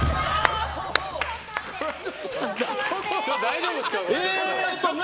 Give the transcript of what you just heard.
大丈夫ですか？